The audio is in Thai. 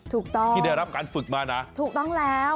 ถูกต้องที่ได้รับการฝึกมานะถูกต้องแล้ว